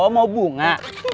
oh mau bunga